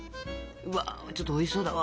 うわちょっとおいしそうだわ。